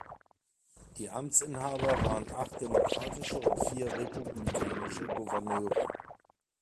Die Amtsinhaber waren acht demokratische und vier republikanische Gouverneure.